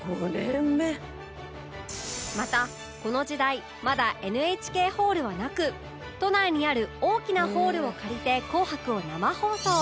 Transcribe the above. またこの時代まだ ＮＨＫ ホールはなく都内にある大きなホールを借りて『紅白』を生放送